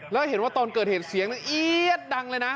แล้วเห็นว่าตอนเกิดเหตุเสียงเอี๊ยดดังเลยนะ